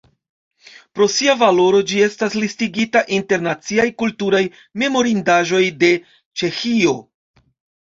Pro sia valoro ĝi estas listigita inter Naciaj kulturaj memorindaĵoj de Ĉeĥio.